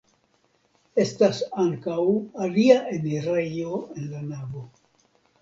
Estas ankaŭ alia enirejo en la navo.